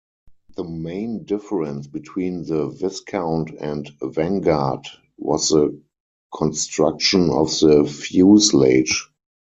The main difference between the Viscount and Vanguard was the construction of the fuselage.